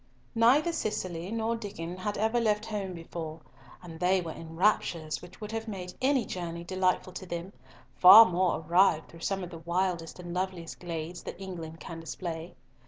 Neither Cicely nor Diccon had ever left home before, and they were in raptures which would have made any journey delightful to them, far more a ride through some of the wildest and loveliest glades that England can display.